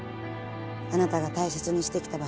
あなたが大切にしてきた場所のこと。